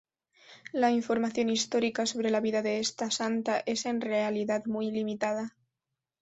La información histórica sobre la vida de esta santa es en realidad muy limitada.